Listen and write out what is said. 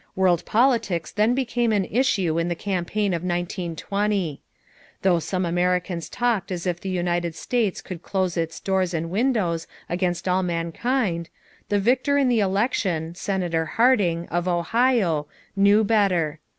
World politics then became an issue in the campaign of 1920. Though some Americans talked as if the United States could close its doors and windows against all mankind, the victor in the election, Senator Harding, of Ohio, knew better.